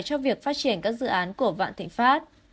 cho việc phát triển các dự án của vạn thịnh pháp